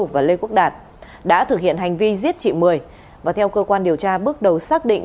và lê quốc đạt đã thực hiện hành vi giết chị mười và theo cơ quan điều tra bước đầu xác định